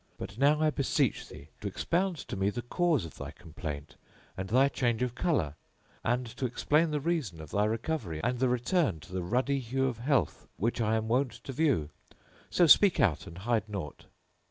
But now I beseech thee to expound to me the cause of thy complaint and thy change of colour, and to explain the reason of thy recovery and the return to the ruddy hue of health which I am wont to view. So speak out and hide naught!"